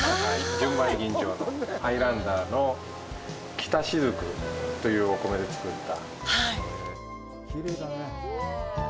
純米吟醸のアイランダーの「きたしずく」というお米で造った。